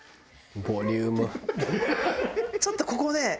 ちょっとここで。